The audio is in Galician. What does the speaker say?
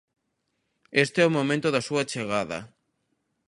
Este é o momento da súa chegada.